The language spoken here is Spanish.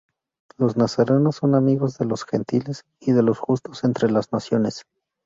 Los nazarenos son amigos de los gentiles y de los justos entre las naciones.